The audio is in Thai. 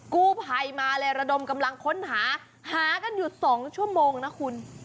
กู้ภัยมาเลยระดมกำลังค้นหาหากันอยู่๒ชั่วโมงนะคุณ